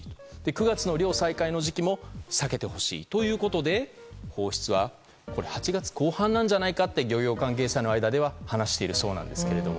９月の漁再開の時期も避けてほしいということで放出は８月後半なんじゃないかと漁業関係者の間では話しているそうなんですけども。